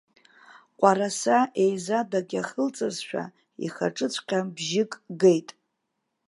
Ҟәараса еизадак иахылҵызшәа, ихаҿыҵәҟьа бжьык геит.